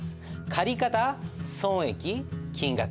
借方損益金額。